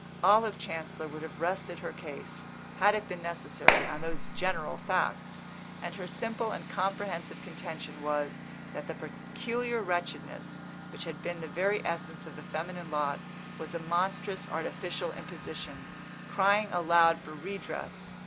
Olive Chancellor would have rested her case, had it been necessary, on those general facts; and her simple and comprehensive contention was that the peculiar wretchedness which had been the very essence of the feminine lot was a monstrous artificial imposition, crying aloud for redress.